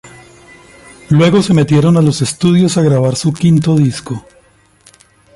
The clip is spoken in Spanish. Luego se metieron a los estudios a grabar su quinto disco.